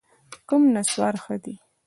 کوم نسوار ښه دي؟